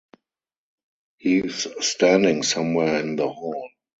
He's standing somewhere in the hall.